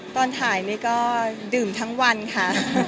ตอนถ่ายนี่ก็ดื่มทั้งวันค่ะ